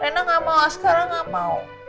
renah gak mau sekarang gak mau